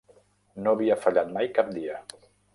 No havia fallat mai cap dia.